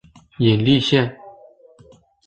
殷栗线